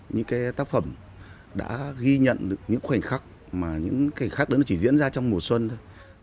những cái tác phẩm đã ghi nhận được những khoảnh khắc mà những khoảnh khắc đó chỉ diễn ra trong mùa xuân thôi